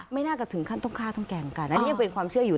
ไม่น่าจะถึงขั้นต้องฆ่าต้องแกล้งกันอันนี้ยังเป็นความเชื่ออยู่